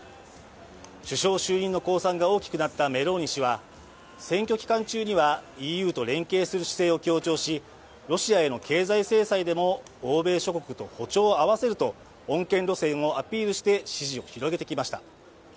首相就任の公算が大きくなったメローニ氏は選挙期間中にはＥＵと連携する姿勢を強調しロシアへの経済制裁でも欧米諸国と歩調を合わせると穏健路線をアピールして支持を広げてきました。